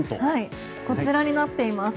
こちらになっています。